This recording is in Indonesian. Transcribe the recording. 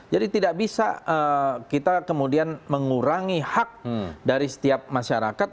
jadi tidak bisa kita kemudian mengurangi hak dari setiap masyarakat